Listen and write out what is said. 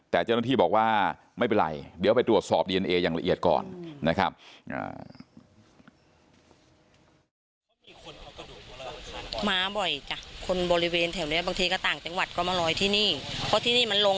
แต่เจ้าหน้าที่บอกว่าไม่เป็นไรเดี๋ยวไปตรวจสอบดีเอนเออย่างละเอียดก่อนนะครับ